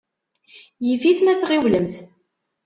Yif-it ma tɣiwlemt.